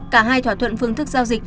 cả hai thỏa thuận phương thức giao dịch